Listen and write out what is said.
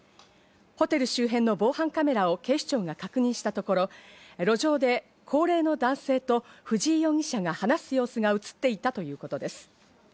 ホテル周辺の防犯カメラを警視庁が確認したところ、路上で高齢の男性と藤井容疑者が話す様子が映っていたということです。